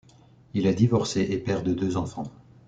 Il est divorcé et père de deux enfants.